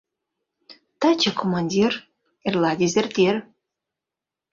— Таче — «командир», эрла — дезертир...